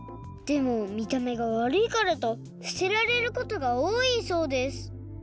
でもみためがわるいからとすてられることがおおいそうです。